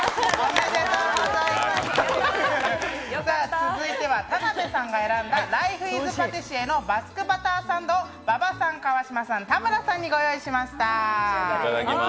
続いては田辺さんが選んだライフ・イズ・パティシエのバスクバターサンドを馬場さん、川島さん、田村さんにご用意しました。